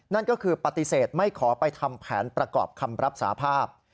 นั่นก็คือปฏิเสธไม่ขอไปทำแผนประกอบคำรับสาภาพ